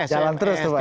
jalan terus tuh pak ya